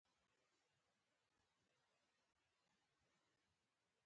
ما وويل نو ته څه وايې چې موږ دغسې کښينو.